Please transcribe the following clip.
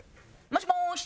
もしもーし！